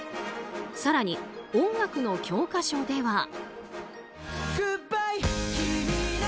更に、音楽の教科書では。